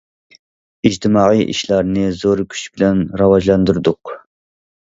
ئىجتىمائىي ئىشلارنى زور كۈچ بىلەن راۋاجلاندۇردۇق.